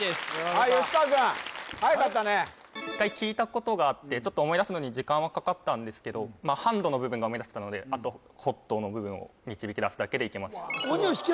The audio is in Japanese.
はい川くんはやかったね一回聞いたことがあってちょっと思い出すのに時間はかかったんですけどハンドの部分が思い出せたのであとホットの部分を導き出すだけでいけました